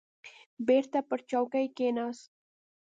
بېرته پر چوکۍ کښېناست.